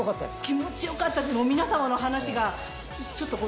気持ちよかったです。